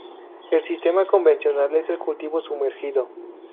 El sistema convencional es el cultivo sumergido.